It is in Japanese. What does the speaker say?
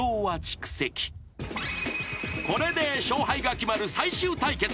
［これで勝敗が決まる最終対決］